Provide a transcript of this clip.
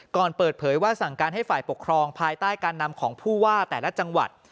เปิดเผยว่าสั่งการให้ฝ่ายปกครองภายใต้การนำของผู้ว่าแต่ละจังหวัด